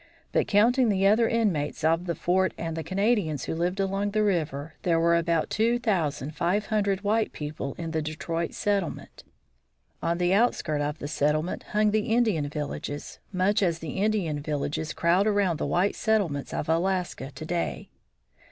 But counting the other inmates of the fort and the Canadians who lived along the river, there were about two thousand five hundred white people in the Detroit settlement. On the outskirts of the settlement hung the Indian villages, much as the Indian villages crowd around the white settlements of Alaska to day.